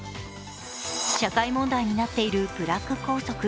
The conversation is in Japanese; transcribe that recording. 社会問題になっているブラック校則。